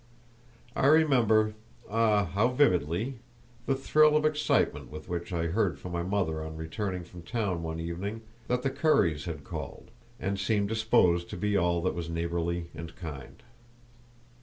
I remember—ah, how vividly!—the thrill of excitement with which I heard from my mother, on returning from town one evening, that the Curries had called, and seemed disposed to be all that was neighbourly and kind.